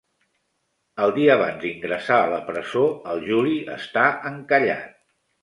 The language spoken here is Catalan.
E l dia abans d'ingressar a la presó el Juli està encallat.